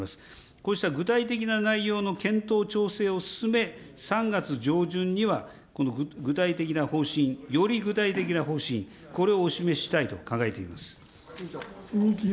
こうした具体的な内容の検討調整を進め、３月上旬には具体的な方針、より具体的な方針、これをお示ししたいと考えています。